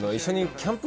キャンプ？